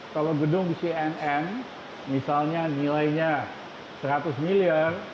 kalau gedung cnn misalnya nilainya seratus miliar